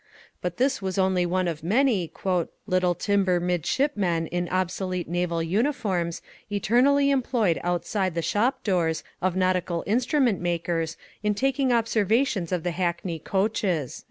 But this was only one of many "little timber midshipmen in obsolete naval uniforms, eternally employed outside the shop doors of nautical instrument makers in taking observations of the hackney coaches."